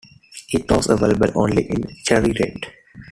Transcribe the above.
It was available only in cherry red.